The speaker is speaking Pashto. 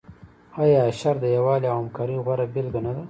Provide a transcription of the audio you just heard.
آیا اشر د یووالي او همکارۍ غوره بیلګه نه ده؟